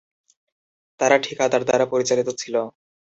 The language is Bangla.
তারা ঠিকাদার দ্বারা পরিচালিত ছিল।